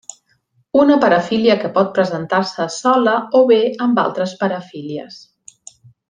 Una parafília que pot presentar-se sola o bé amb altres parafílies.